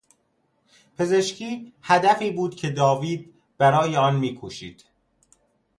پزشکی هدفی بود که داوید برای آن میکوشید.